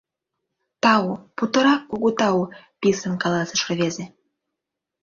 — Тау, путырак кугу тау! — писын каласыш рвезе.